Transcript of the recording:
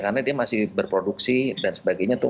karena dia masih berproduksi dan sebagainya tuh